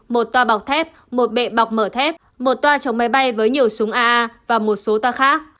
một toa bọc thép một bệ bọc mở thép một toa chống máy bay với nhiều súng aa và một số toa khác